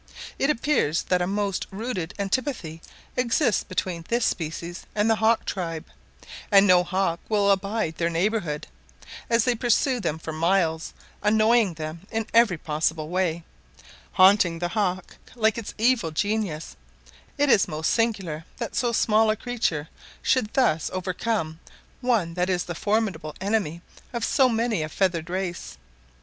It appears that a most rooted antipathy exists between this species and the hawk tribe, and no hawk will abide their neighbourhood; as they pursue them for miles, annoying them in every possible way, haunting the hawk like its evil genius: it is most singular that so small a creature should thus overcome one that is the formidable enemy of so many of the feathered race.